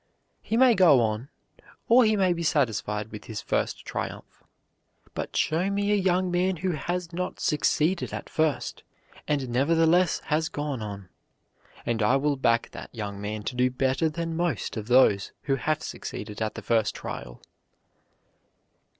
He may go on, or he may be satisfied with his first triumph; but show me a young man who has not succeeded at first, and nevertheless has gone on, and I will back that young man to do better than most of those who have succeeded at the first trial."